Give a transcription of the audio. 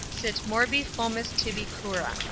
SIT MORBI FOMES TIBI CURA.